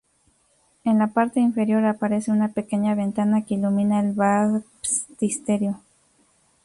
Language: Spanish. En la parte inferior aparece una pequeña ventana que ilumina el baptisterio.